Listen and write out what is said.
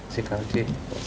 xin cảm ơn chị